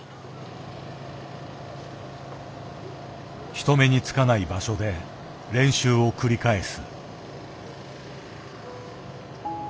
人目につかない場所で練習を繰り返す。